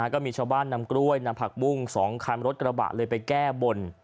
ก็มีชาวบ้านนำกล้วยนำผักบุ้ง๒คันรถกระบะเลยไปแก้บน